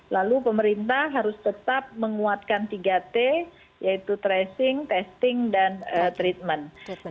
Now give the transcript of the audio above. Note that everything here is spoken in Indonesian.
lalu pemerintah harus tetap menguatkan tiga t yaitu tracing testing dan treatment